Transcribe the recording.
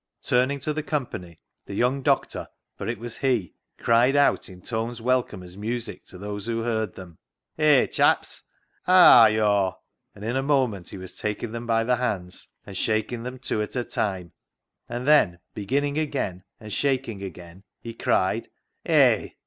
Turning to the company, the young doctor — for it was he — 17 258 CLOG SHOP CHRONICLES cried out in tones welcome as music to those who heard them —" Hay, chaps, haa are yo' aw ?" and in a moment he was taking them by the hands and shaking them two at a time, and then beginning again and shaking again, he cried —" Hay